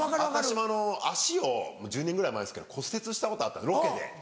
私も足をもう１０年前ぐらいですけど骨折したことあったロケで。